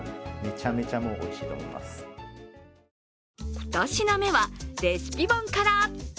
２品目は、レシピ本から。